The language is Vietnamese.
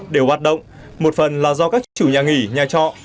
đều hoạt động một phần là do các chủ nhà nghỉ nhà trọ